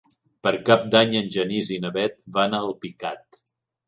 Per Cap d'Any en Genís i na Bet van a Alpicat.